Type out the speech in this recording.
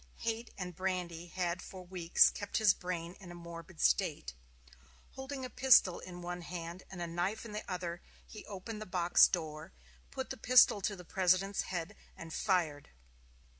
Hate and brandy had for weeks kept his brain in a morbid state. Holding a pistol in one hand and a knife in the other, he opened the box door, put the pistol to the President's head, and fired.